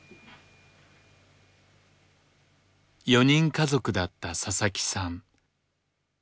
４人家族だった佐々木さん。